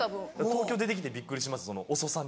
東京出てきてびっくりします遅さに。